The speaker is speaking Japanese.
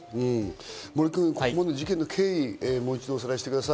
森君、ここまで事件の経緯をもう一度おさらいしてください。